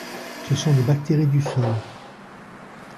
Ce sont des bactéries du sol.